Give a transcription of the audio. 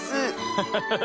ハハハッ。